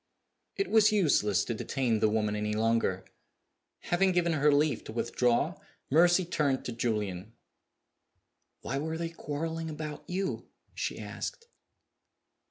It was useless to detain the woman any longer. Having given her leave to withdraw, Mercy turned to Julian. "Why were they quarreling about you?" she asked.